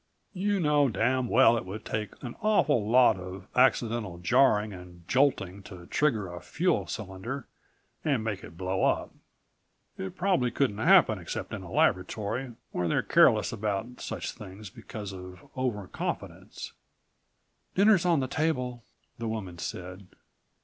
"You know damn well it would take an awful lot of accidental jarring and jolting to trigger a fuel cylinder and make it blow up. It probably couldn't happen, except in a laboratory where they're careless about such things because of overconfidence." "Dinner's on the table," the woman said.